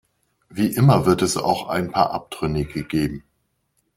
Wie immer wird es auch ein paar Abtrünnige geben.